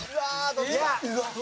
どっちだ？